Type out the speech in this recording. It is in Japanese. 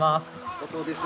後藤です。